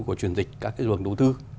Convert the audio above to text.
của truyền dịch các cái luồng đầu tư